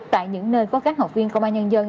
tại những nơi có các học viên công an nhân dân